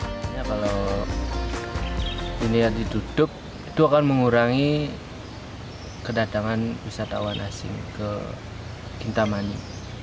sebenarnya kalau ini yang ditutup itu akan mengurangi kedatangan wisatawan asing ke kintamani